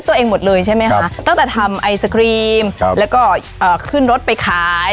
ตั้งแต่ทำไอศครีมและก็ขึ้นรถไปขาย